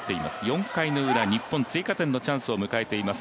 ４回のウラ、日本追加点のチャンスを迎えています。